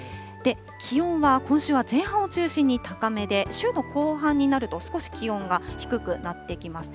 気温は今週は前半を中心に高めで、週の後半になると、少し気温が低くなってきます。